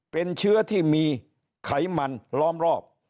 เป็นเชื้อที่มีไขมันล้อมรอบ